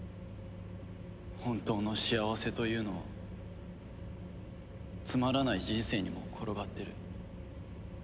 本当の幸せというのはつまらない人生にも転がってる。